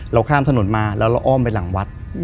ข้ามถนนมาแล้วเราอ้อมไปหลังวัด